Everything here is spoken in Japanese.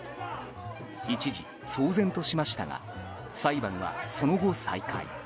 一時騒然としましたが裁判はその後、再開。